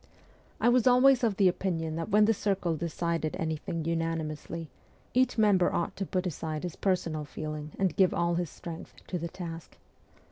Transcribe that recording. I was always of the opinion that when the circle decided anything unanimously, each member ought to put aside his per sonal feeling and give all his strength to the task.